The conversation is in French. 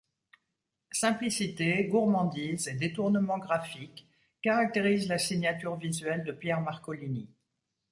Simplicité, gourmandise, et détournement graphique caractérisent la signature visuelle de Pierre Marcolini.